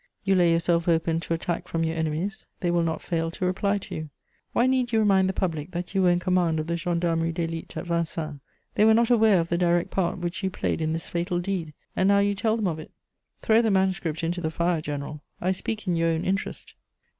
You lay yourself open to attack from your enemies; they will not fail to reply to you. Why need you remind the public that you were in command of the Gendarmerie d'Élite at Vincennes? They were not aware of the direct part which you played in this fatal deed, and now you tell them of it. Throw the manuscript into the fire, general: I speak in your own interest."